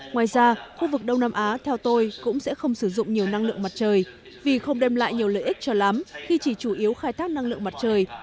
ngoài ra khu vực đông nam á theo tôi cũng sẽ không sử dụng nhiều năng lượng mặt trời vì không đem lại nhiều lợi ích cho lắm khi chỉ chủ yếu khai thác năng lượng mặt trời